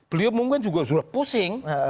beliau mungkin juga sudah pusing